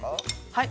◆はい。